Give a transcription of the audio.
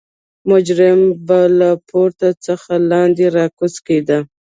مجرم به له پورته څخه لاندې راګوزار کېده.